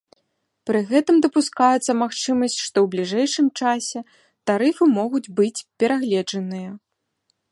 Пры гэтым дапускаецца магчымасць, што ў бліжэйшым часе тарыфы могуць быць перагледжаныя.